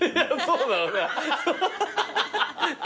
そうだろうな。